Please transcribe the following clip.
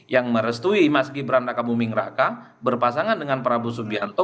yang merestui mas gibran raka buming raka berpasangan dengan prabowo subianto